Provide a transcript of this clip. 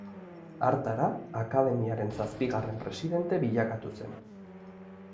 Hartara, akademiaren zazpigarren presidente bilakatu zen.